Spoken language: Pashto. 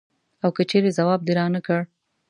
او که چېرې ځواب دې رانه کړ.